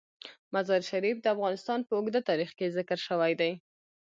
مزارشریف د افغانستان په اوږده تاریخ کې ذکر شوی دی.